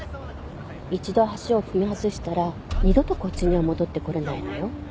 一度足を踏み外したら二度とこっちには戻ってこれないのよ